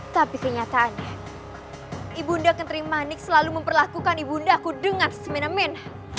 tapi kenyataannya ibunda kenteri manik selalu memperlakukan ibundaku dengan semen emen